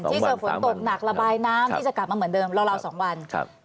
เจอฝนตกหนักระบายน้ำที่จะกลับมาเหมือนเดิมราว๒วัน